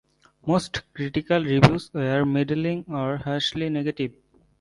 Most critical reviews were middling or harshly negative.